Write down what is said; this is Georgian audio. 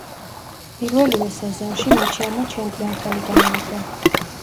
პირველივე სეზონში მიჩელმა ჩემპიონთა ლიგა მოიგო.